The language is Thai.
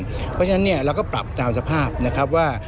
เพราะฉะนั้นเนี่ยเราก็ปรับตามสภาพนะครับว่า